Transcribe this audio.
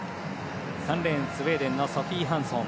３レーン、スウェーデンのソフィー・ハンソン。